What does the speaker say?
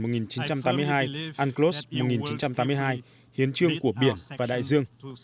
unclos một nghìn chín trăm tám mươi hai hiến trương của biển và đại dương